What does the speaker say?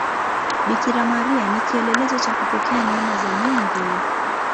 Bikira Maria ni kielelezo cha kupokea neema za Mungu.